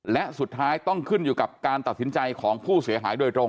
และสุดท้ายต้องขึ้นอยู่กับการตัดสินใจของผู้เสียหายโดยตรง